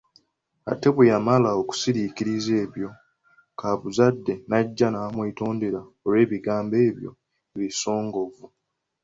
Ate bwe yamalanga okusiriikiriza ebyo, kaabuzadde najja n’amwetondera olw’ebigambo ebyo ebisangovu.